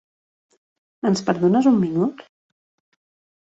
Ens perdones un minut?